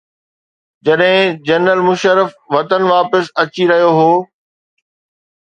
جڏهن جنرل مشرف وطن واپس اچي رهيو هو.